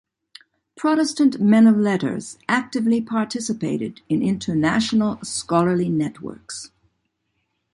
Protestant men of letters actively participated in international scholarly networks.